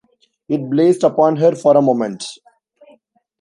It blazed upon her for a moment.